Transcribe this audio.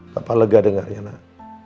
papa lega dengarnya nak